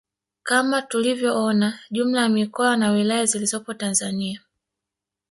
Kama tulivyoona jumla ya mikoa na wilaya zilizopo Tanzania